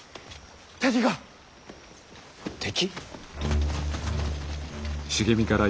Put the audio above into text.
敵が。敵？